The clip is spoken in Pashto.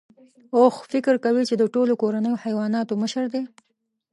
اوښ فکر کوي چې د ټولو کورنیو حیواناتو مشر دی.